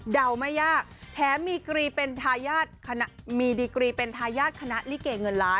เดาไม่ยากแถมมีดีกรีเป็นทายาทคณะลิเกเงินล้าน